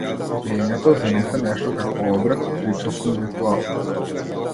Пиењето за нив е нешто како обред, причесна, ритуал.